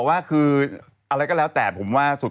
นี่คือนุ่มไม่ยุ่ง